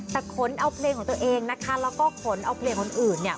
แต่ขนเอาเพลงของตัวเองนะคะแล้วก็ขนเอาเพลงคนอื่นเนี่ย